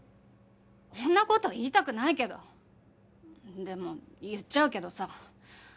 こんな事言いたくないけどでも言っちゃうけどさ。